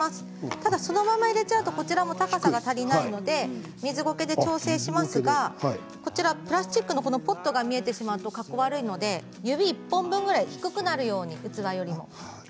ただそのまま入れてしまうと高さが足りないので水ゴケで調整しますがプラスチックのポットが見えてしまうとかっこ悪いので指１本分ぐらい低くなるように、器よりも。